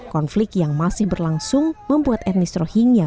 konflik yang masih berlangsung membuat etnis rohingya